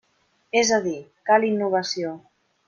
És a dir, cal innovació.